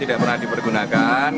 tidak pernah dipergunakan